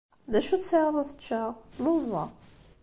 D acu i tesɛiḍ ad t-ččeɣ? Lluẓeɣ.